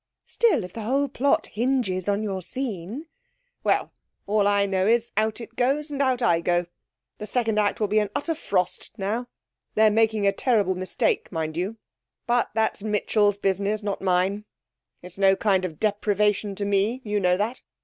'Still, if the whole plot hinges on your scene ' 'Well! all I know is, out it goes and out I go. The second act will be an utter frost now. They're making a terrible mistake, mind you. But that's Mitchell's business, not mine. It's no kind of deprivation to me you know that.